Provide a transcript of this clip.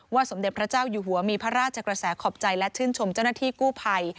สมเด็จพระเจ้าอยู่หัวมีพระราชกระแสขอบใจและชื่นชมเจ้าหน้าที่กู้ภัย